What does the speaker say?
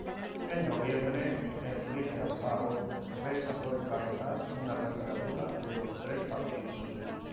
En noviembre, Enrique Alfaro rechazó encabezar una candidatura de los tres partidos.